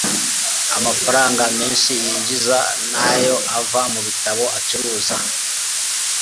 Amafaranga menshi yinjiza nayo avana mu ibitabo acuruza.